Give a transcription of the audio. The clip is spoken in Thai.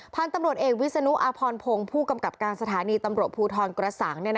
พันธุ์ตำรวจเอกวิศนุอาพรพงศ์ผู้กำกับการสถานีตำรวจภูทรกระสัง